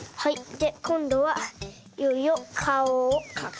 でこんどはいよいよかおをかく。